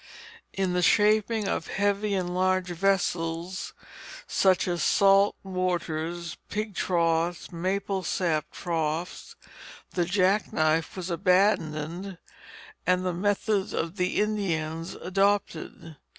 In the shaping of heavy and large vessels such as salt mortars, pig troughs, maple sap troughs, the jack knife was abandoned and the methods of the Indians adopted.